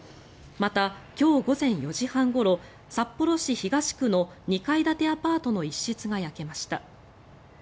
また、今日午前４時半ごろ札幌市東区の２階建てアパートの一室が焼けました。